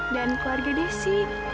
dan keluarga desi